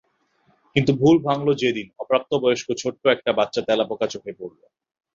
কিন্তু ভুল ভাঙল যেদিন অপ্রাপ্ত বয়স্ক ছোট্ট একটা বাচ্চা তেলাপোকা চোখে পড়ল।